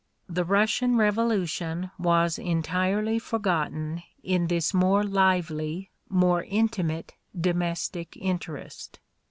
"The Rus sian revolution was entirely forgotten in this more lively, more intimate domestic interest."